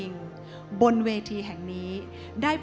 ฉบับวันที่๒๘ตุลาคมพุทธศักราช๒๕๖๐